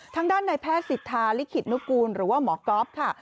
ทางด้านในแพทย์สิทธาลิขิตนุกูลหรือว่าหมอก๊อฟค่ะ